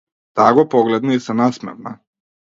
Таа го погледна и се насмевна.